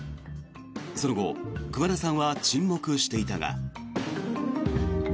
その後、熊田さんは沈黙していたが。